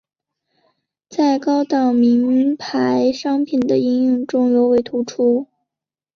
在高档名牌商品的应用中尤为突出。